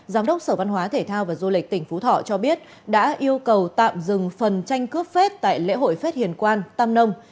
giám đốc sở văn hóa thể thao và du lịch tỉnh phú thọ cho biết đã yêu cầu tạm dừng phần tranh cướp phết tại lễ hội phết hiền quan tâm nông